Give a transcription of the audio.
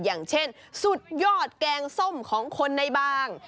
อย่างเช่นสุดยอดแกงส้มของคนในบาง